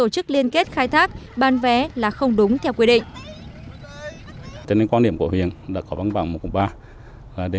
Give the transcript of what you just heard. nên việc tổ chức bán vé thu tiền là hợp lý